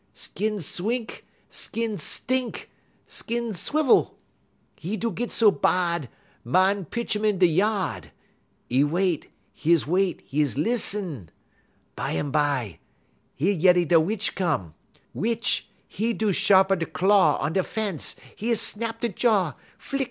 Skin swink, skin stink, skin swivel. 'E do git so bahd, man pitch um in da' ya'd. 'E wait; 'e is wait, 'e is lissen. Bumbye, 'e yeddy da' witch come. Witch, e' do sharp' 'e claw on a da' fence; 'e is snap 'e jaw _flick!